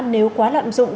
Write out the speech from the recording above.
nếu quá lạm dụng